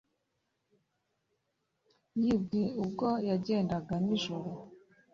yibwe ubwo yagendaga nijoro.